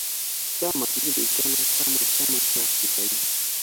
Chama kilichojulikana kama chama cha kitaifa